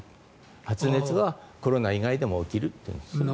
発熱はコロナ以外でも起きるということです。